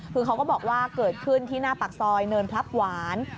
คือเขาก็บอกว่าเกิดขึ้นที่หน้าปากซอยเนินพลับหวาน